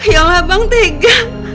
ya allah bang tiga